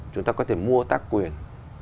chúng ta có thể mua tác quyền